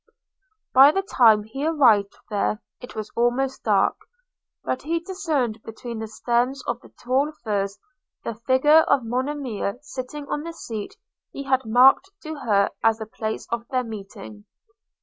By the time he arrived there, it was almost dark; but he discerned between the stems of the tall firs the figure of Monimia sitting on the seat he had marked to her as the place of their meeting.